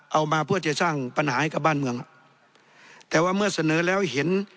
เอามาเพื่อจะสร้างปัญหาให้กับบ้านเมืองแต่ว่าเมื่อเสนอแล้วเห็น